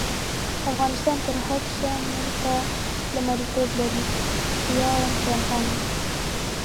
افغانستان تر هر سه مونږ ته لمړیتوب لري: ویاړم چی افغان يم